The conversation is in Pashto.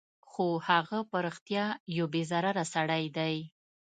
خو هغه په رښتیا یو بې ضرره سړی دی